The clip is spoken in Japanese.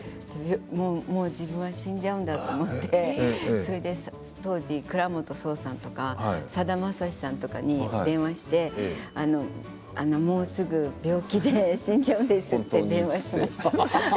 もう自分は死んじゃうんだと思ってそれで当時、倉本聰さんとかさだまさしさんとかに電話をしてもうすぐ病気で死んじゃうんですって言っていまして。